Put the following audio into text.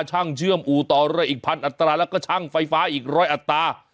ช่างเชื่อมอู่ต่อเรืออีกพันอัตราแล้วก็ช่างไฟฟ้าอีกร้อยอัตรา